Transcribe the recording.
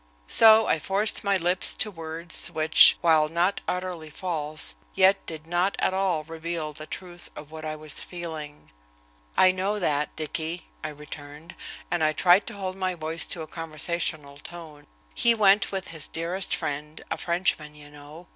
So I forced my lips to words which, while not utterly false, yet did not at all reveal the truth of what I was feeling. "I know that, Dicky," I returned, and I tried to hold my voice to a conversational tone. "He went with his dearest friend, a Frenchman, you know.